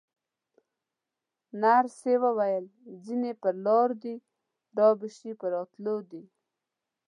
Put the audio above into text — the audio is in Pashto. نرسې وویل: ځینې پر لاره دي، رابه شي، په راتلو دي.